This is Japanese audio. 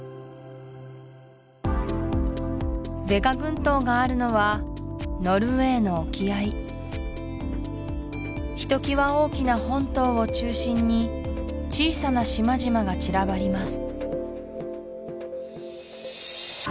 ヴェガ群島があるのはノルウェーの沖合ひときわ大きな本島を中心に小さな島々が散らばります